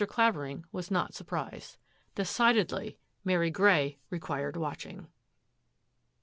Clavering was not surprised. De< Mary Grey required watching.